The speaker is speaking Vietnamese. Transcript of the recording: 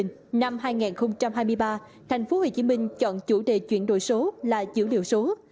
năm hai nghìn hai mươi ba tp hcm chọn chủ đề chuyển đổi số là dữ liệu số